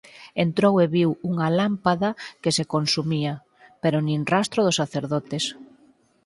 Entrou e viu unha lámpada que se consumía..., pero nin rastro dos sacerdotes.